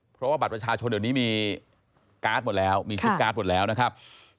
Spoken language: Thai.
เพราะว่าบัตรประชาชนเดี๋ยวนี้มีการ์ดหมดแล้วมีคลิปการ์ดหมดแล้วนะครับ